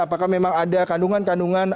apakah memang ada kandungan kandungan